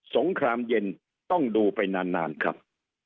งครามเย็นต้องดูไปนานครับ